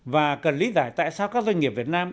và cần lý giải tại sao các doanh nghiệp việt nam